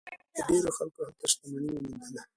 ډیرو خلکو هلته شتمني وموندله.